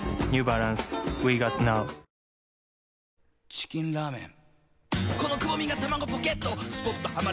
チキンラーメン。